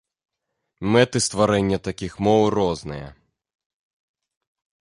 Мэты стварэння такіх моў розныя.